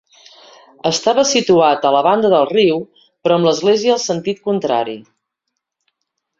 Estava situat a la banda del riu però amb l'església al sentit contrari.